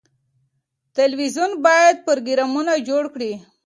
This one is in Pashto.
تلویزیون باید پروګرامونه جوړ کړي.